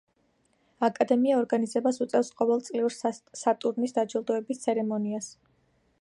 აკადემია ორგანიზებას უწევს ყოველ წლიურ სატურნის დაჯილდოების ცერემონიას.